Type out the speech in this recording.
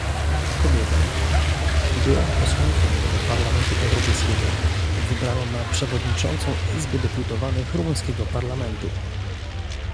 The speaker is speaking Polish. kobietę, byłą posłankę do Parlamentu Europejskiego, wybrano na przewodniczącą Izby Deputowanych rumuńskiego parlamentu